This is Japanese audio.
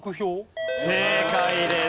正解です。